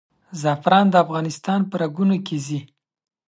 زعفران د افغانستان په رګونو کې ځي.